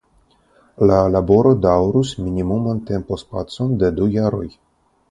La laboro daŭrus minimuman tempospacon de du jaroj.